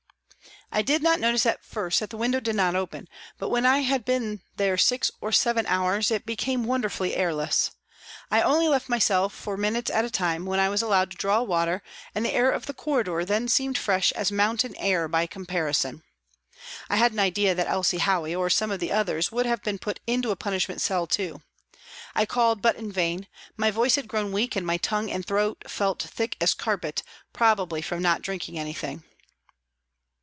I did not notice at first that the window did not open, but when I had been there six or seven hours it became wonderfully airless. I only left my cell for minutes at a time, when I was allowed to draw water, and the air of the corridor then seemed fresh as mountain air by comparison. I had an idea that Elsie Howey or some of the others would have been put into a punishment cell too. I called, but in vain, my voice had grown weak and my tongue and throat felt thick as a carpet, probably from not drinking anything.